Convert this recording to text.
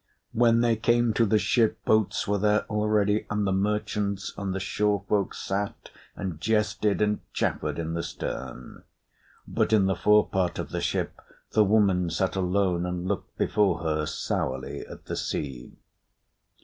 When they came to the ship, boats were there already, and the merchants and the shore folk sat and jested and chaffered in the stern. But in the fore part of the ship, the woman sat alone, and looked before her sourly at the sea.